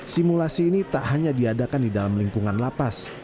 simulasi ini tak hanya diadakan di dalam lingkungan lapas